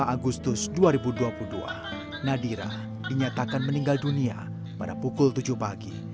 dua puluh lima agustus dua ribu dua puluh dua nadira dinyatakan meninggal dunia pada pukul tujuh pagi